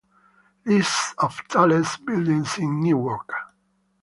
List of tallest buildings in Newark.